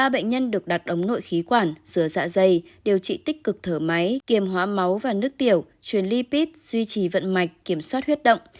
ba bệnh nhân được đặt ống nội khí quản dừa dạ dày điều trị tích cực thở máy kiềm hóa máu và nước tiểu truyền lipid duy trì vận mạch kiểm soát huyết động